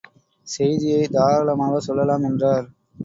செய்தியைத் தாராளமாக சொல்லலாம் என்றார்.